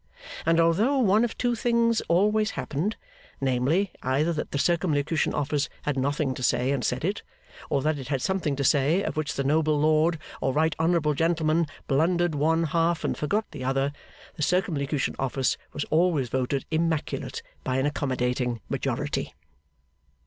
And although one of two things always happened; namely, either that the Circumlocution Office had nothing to say and said it, or that it had something to say of which the noble lord, or right honourable gentleman, blundered one half and forgot the other; the Circumlocution Office was always voted immaculate by an accommodating majority.